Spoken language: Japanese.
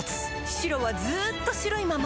白はずっと白いまま